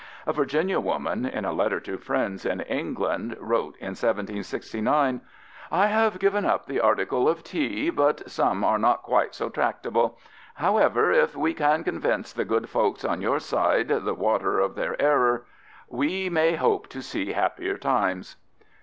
A Virginia woman, in a letter to friends in England, wrote in 1769: ... I have given up the Article of Tea, but some are not quite so tractable; however if wee can convince the good folks on your side the Water of their Error, wee may hope to see happier times.